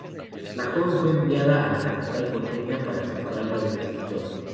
La joven fue enviada a la capital porteña para separarla del escritor.